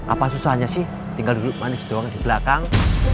apa susahnya sih tinggal duduk manis doang di belakang